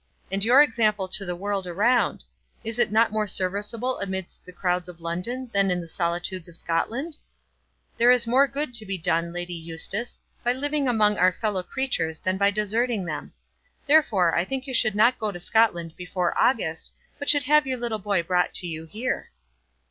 And your example to the world around; is it not more serviceable amidst the crowds of London than in the solitudes of Scotland? There is more good to be done, Lady Eustace, by living among our fellow creatures than by deserting them. Therefore I think you should not go to Scotland before August, but should have your little boy brought to you here."